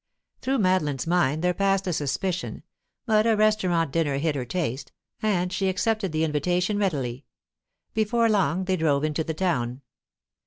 Through Madeline's mind there passed a suspicion, but a restaurant dinner hit her taste, and she accepted the invitation readily. Before long, they drove into the town.